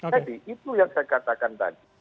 jadi itu yang saya katakan tadi